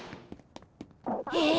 え